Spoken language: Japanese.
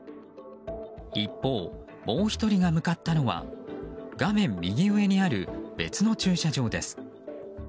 一方、もう１人が向かったのは画面右上にある別の駐車場です。